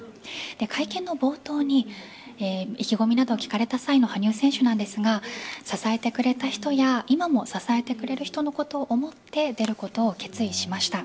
会見の冒頭に意気込みなどを聞かれた際の羽生選手なんですが支えてくれた人や今も支えてくれる人のことを思って出ることを決意しました。